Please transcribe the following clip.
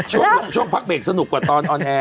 ช่วงพักเบรกสนุกกว่าตอนออนแอร์